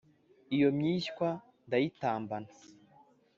iyo myishywa ndayitambana